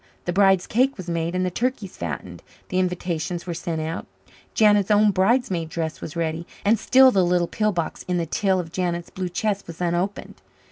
The bride's cake was made and the turkeys fattened. The invitations were sent out. Janet's own bridesmaid dress was ready. And still the little pill box in the till of Janet's blue chest was unopened.